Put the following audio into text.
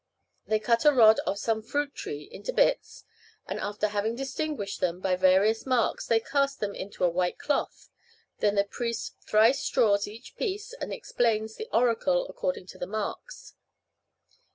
They cut a rod off some fruit tree into bits, and after having distinguished them by various marks, they cast them into a white cloth.... Then the priest thrice draws each piece, and explains the oracle according to the marks."